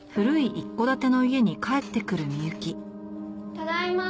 ただいま。